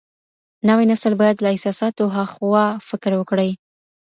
نوی نسل بايد له احساساتو هاخوا فکر وکړي.